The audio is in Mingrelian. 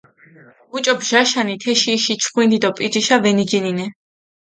მუჭო ბჟაშანი, თეში იში ჩხვინდი დო პიჯიშა ვენიჯინინე.